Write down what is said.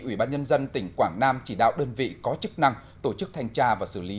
ủy ban nhân dân tỉnh quảng nam chỉ đạo đơn vị có chức năng tổ chức thanh tra và xử lý